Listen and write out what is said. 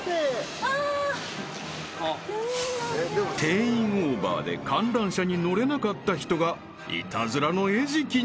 ［定員オーバーで観覧車に乗れなかった人がイタズラの餌食に］